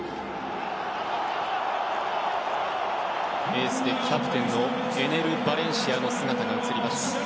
エースでキャプテンのエネル・バレンシアの姿が映りました。